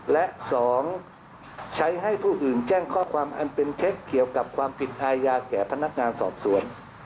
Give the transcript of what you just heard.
และ๒ใช้ให้ผู้อื่นแจ้งข้อความอันเป็นเท็จเกี่ยวกับความผิดอาญาแก่พนักงานสอบสวน